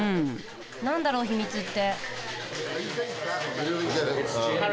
何だろう秘密って。